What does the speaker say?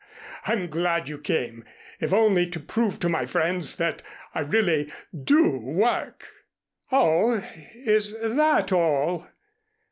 I'm glad you came, if only to prove to my friends that I really do work." "Oh, is that all?"